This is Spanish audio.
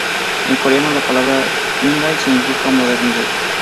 En coreano, la palabra hyundai significa modernidad.